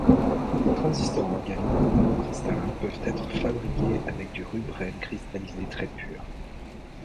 Des transistors organiques monocristallins peuvent être fabriqués avec du rubrène cristallisé très pur.